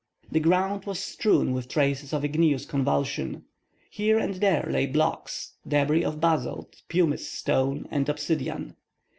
The ground was strewn with traces of igneous convulsion. Here and there lay blocks, debris of basalt, pumice stone, and obsidian.